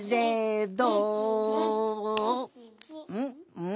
うん？